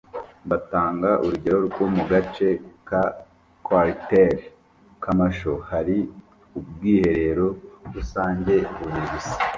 Batanga urugero rwo mu gace ka ‘Quartier commercial’ hari ubwiherero rusange bubiri gusa